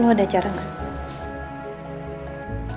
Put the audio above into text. lo ada acara gak